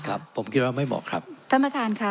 ครับผมคิดว่าไม่เหมาะครับท่านประธานค่ะ